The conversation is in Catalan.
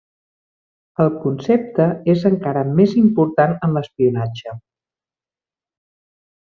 El concepte és encara més important en l'espionatge.